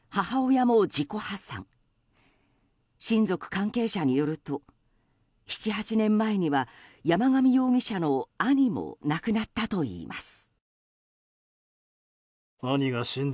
親族関係者によると７８年前には山上容疑者の兄も亡くなったといいます。